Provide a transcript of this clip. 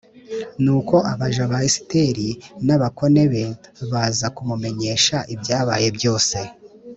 nuko abaja ba esitera n’abakone be baza kumumenyesha ibyabaye byose.